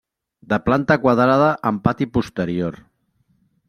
De planta quadrada amb pati posterior.